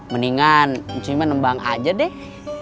mendingan cuma nembang aja deh